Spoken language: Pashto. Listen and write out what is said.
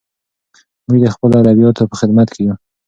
موږ د خپلو ادیبانو په خدمت کې یو.